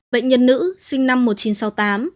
bệnh nhân nữ sinh năm một nghìn chín trăm sáu mươi tám